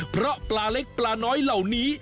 เพราะปลาเล็กปลาน้อยเหล่านี้